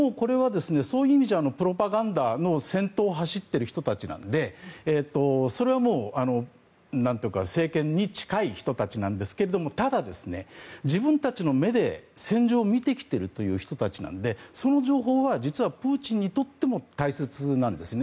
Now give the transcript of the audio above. そういう意味じゃプロパガンダの先頭を走っている人たちなので政権に近い人たちなんですがただ、自分たちの目で戦場を見てきている人たちなのでその情報は実はプーチンにとっても大切なんですね。